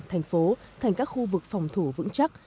thành phố thành các khu vực phòng thủ vững chắc